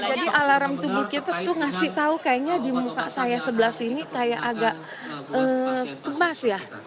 jadi alarm tubuh kita tuh ngasih tahu kayaknya di muka saya sebelah sini kayak agak kebas ya